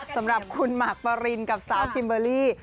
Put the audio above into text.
สำหรับคุณหมากปรินกับสาวคิมเบอร์รี่